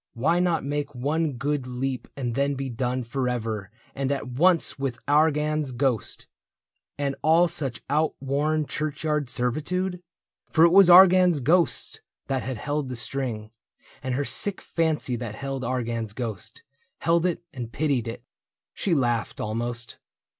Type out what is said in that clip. Why not make one good leap and then be done Forever and at once with Argan's ghost And all such outworn churchyard servitude ? For it was Argan's ghost that held the string. And her sick fancy that held Argan's ghost — Held it and pitied it. She laughed, almost.